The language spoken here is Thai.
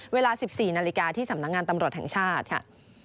เวลา๑๔นาฬิกาที่สำนักงานตำรวจแห่งชาติค่ะ